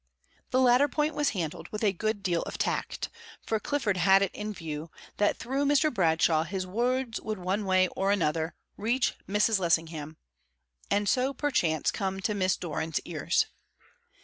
The latter point was handled with a good deal of tact, for Clifford had it in view that through Mr. Bradshaw his words would one way or other reach Mrs. Lessingham, and so perchance come to Miss Doran's ears.